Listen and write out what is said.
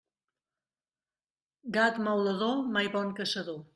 Gat maulador, mai bon caçador.